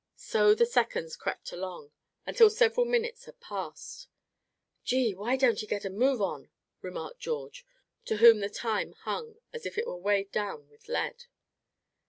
So the seconds crept along, until several minutes had passed. "Gee! why don't he get a move on?" remarked George, to whom the time hung as if it were weighed down with lead.